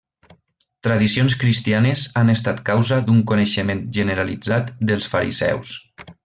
Tradicions cristianes han estat causa d'un coneixement generalitzat dels fariseus.